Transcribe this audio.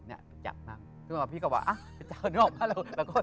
พี่ยังไม่ได้เลิกแต่พี่ยังไม่ได้เลิก